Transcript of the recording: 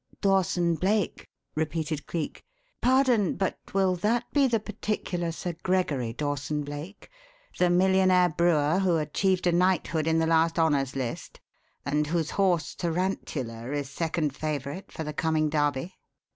"Dawson Blake?" repeated Cleek. "Pardon, but will that be the particular Sir Gregory Dawson Blake the millionaire brewer who achieved a knighthood in the last 'Honours List' and whose horse, Tarantula, is second favourite for the coming Derby?"